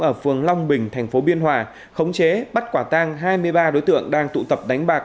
ở phường long bình thành phố biên hòa khống chế bắt quả tang hai mươi ba đối tượng đang tụ tập đánh bạc